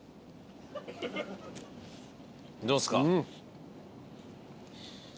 どうすか？